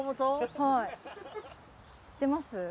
知ってます？